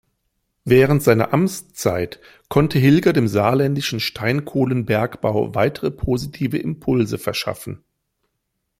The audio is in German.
Während seiner Amtszeit konnte Hilger dem saarländischen Steinkohlenbergbau weitere positive Impulse verschaffen.